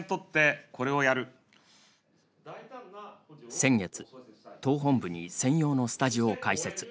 先月、党本部に専用のスタジオを開設。